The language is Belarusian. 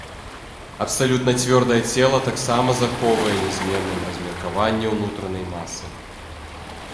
Абсалютна цвёрдае цела таксама захоўвае нязменным размеркаванне ўнутранай масы.